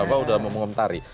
apa sudah mau mengomentari